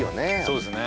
そうですね